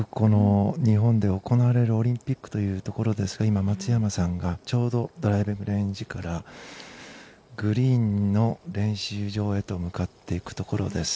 日本で行われるオリンピックというところですが今、松山さんがちょうどドライビングレンジからグリーンの練習場へと向かっていくところです。